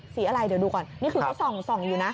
สีอะไรเดี๋ยวดูก่อนนี่คือเขาส่องอยู่นะ